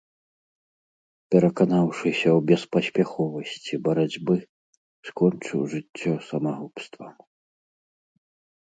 Пераканаўшыся ў беспаспяховасці барацьбы, скончыў жыццё самагубствам.